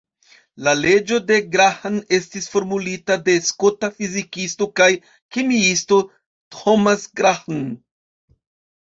La leĝo de Graham estis formulita de skota fizikisto kaj kemiisto Thomas Graham.